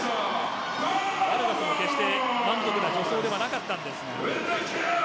決して満足な助走ではなかったんですが。